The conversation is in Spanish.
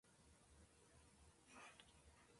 Fue propietario del diario "El Correo".